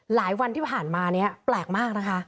วันที่ผ่านมานี้แปลกมากนะคะ